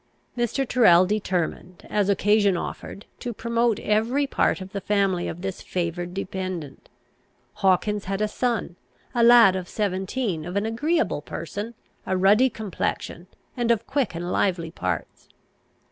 Mr. Tyrrel determined, as occasion offered, to promote every part of the family of this favoured dependent. Hawkins had a son, a lad of seventeen, of an agreeable person, a ruddy complexion, and of quick and lively parts.